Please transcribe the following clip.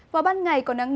và ban ngày còn nắng